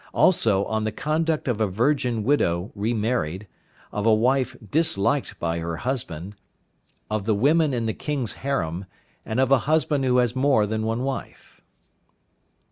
Also on the conduct of a Virgin Widow re married; of a Wife disliked by her Husband; of the Women in the King's Harem; and of a Husband who has more than one Wife.